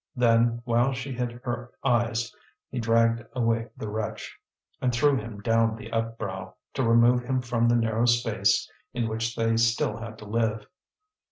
Then, while she hid her eyes, he dragged away the wretch, and threw him down the upbrow, to remove him from the narrow space in which they still had to live.